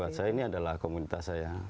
buat saya ini adalah komunitas saya